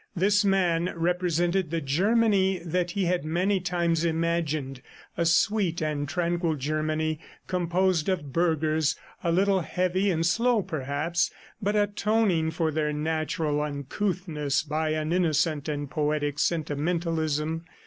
This man represented the Germany that he had many times imagined, a sweet and tranquil Germany composed of burghers, a little heavy and slow perhaps, but atoning for their natural uncouthness by an innocent and poetic sentimentalism.